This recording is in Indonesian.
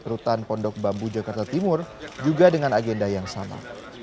rutan pondok bambu jakarta timur juga dengan agenda yang sama